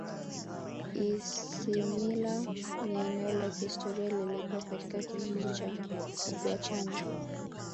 Isimila ni eneo la kihistoria lililopo katika kijiji cha Ugwachanya